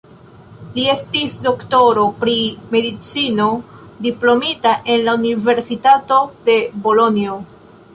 Li estis doktoro pri medicino diplomita en la Universitato de Bolonjo.